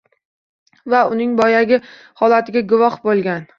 Va uning boyagi holatiga guvoh bo’lgan.